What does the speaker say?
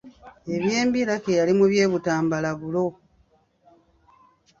Eby’embi Lucky yali mu by’e Butambala ‘Bulo’.